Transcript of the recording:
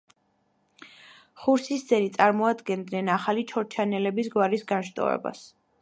ხურსისძენი წარმოადგენდნენ ახალი ჩორჩანელების გვარის განშტოებას.